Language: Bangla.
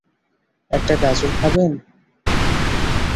একটা গাজর খাবেন?